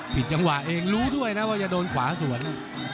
ผิดจังหวะเองรู้ด้วยนะว่าจะโดนขวาสวน